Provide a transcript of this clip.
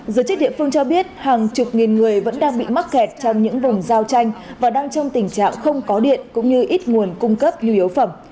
giới chức địa phương cho biết hàng chục nghìn người vẫn đang bị mắc kẹt trong những vùng giao tranh và đang trong tình trạng không có điện cũng như ít nguồn cung cấp nhu yếu phẩm